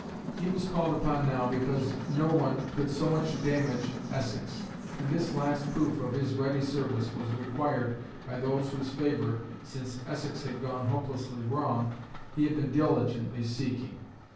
He was called upon now because no one could so much damage Essex; and this last proof of his ready service was required by those whose favour, since Essex had gone hopelessly wrong, he had been diligently seeking.